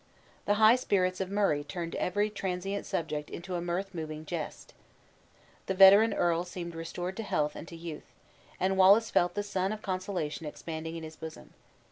The high spirits of Murray turned every transient subject into a "mirth moving jest". The veteran earl seemed restored to health and to youth; and Wallace felt the sun of consolation expanding in his bosom.